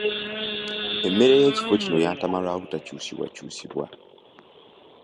Emmere y'ekifo kino yantama lwa butakyusibwa kyusibwa.